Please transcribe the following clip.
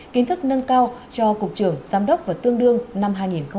kiến thức nâng cao cho cục trưởng giám đốc và tương đương năm hai nghìn hai mươi ba